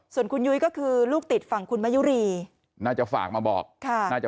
ส่วนคุณยุ้ยก็คือลูกติดฝั่งคุณมะยุรีน่าจะฝากมาบอกค่ะน่าจะ